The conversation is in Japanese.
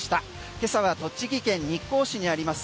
今朝は栃木県日光市にあります